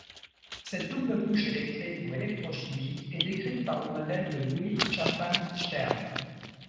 Cette double couche électrique ou électrochimique est décrite par le modèle de Gouy-Chapman-Stern.